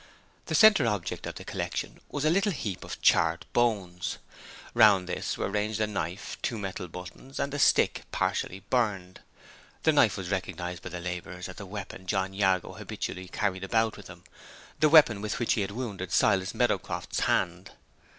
The center object of the collection was a little heap of charred bones. Round this were ranged a knife, two metal buttons, and a stick partially burned. The knife was recognized by the laborers as the weapon John Jago habitually carried about with him the weapon with which he had wounded Silas Meadowcroft's hand.